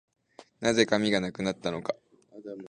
何故、紙がなくなったのか